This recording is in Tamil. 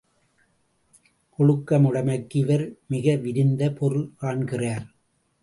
ஒழுக்கமுடைமைக்கு இவர் மிக விரிந்த பொருள் காண்கிறார்.